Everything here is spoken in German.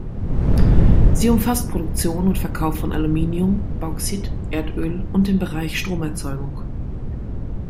Sie umfasst Produktion und Verkauf von Aluminium, Bauxit, Erdöl und den Bereich Stromerzeugung.